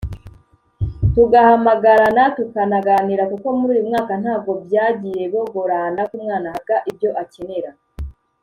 tugahamagarana tukanaganira kuko muri uyu mwaka ntabwo byagiye bogorana ko umwana ahabwa ibyo akenera”